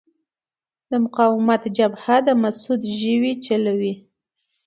د مقاومت جبهه د مسعود ژوی چلوي.